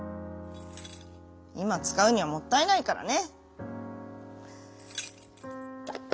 「いまつかうにはもったいないからね」。